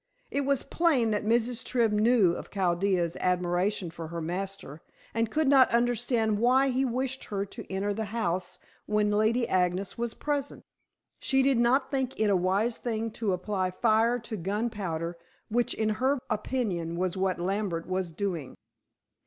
It was plain that Mrs. Tribb knew of Chaldea's admiration for her master, and could not understand why he wished her to enter the house when Lady Agnes was present. She did not think it a wise thing to apply fire to gunpowder, which, in her opinion, was what Lambert was doing.